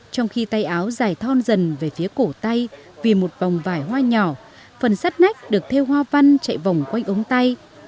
trong khi tay áo dài thon dần về phía cổ tay vì một vòng vài hoa nhỏ phần sắt nách được theo hoa văn chạy vòng quanh ống tay